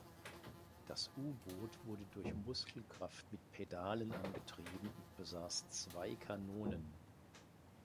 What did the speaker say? Das U-Boot wurde durch Muskelkraft mit Pedalen angetrieben und besaß zwei Kanonen.